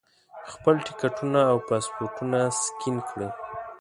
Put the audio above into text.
خپل ټکټونه او پاسپورټونه سکین کړي.